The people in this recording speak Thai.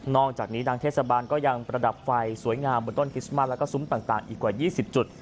จากนี้ทางเทศบาลก็ยังประดับไฟสวยงามบนต้นคริสต์มัสแล้วก็ซุ้มต่างอีกกว่า๒๐จุด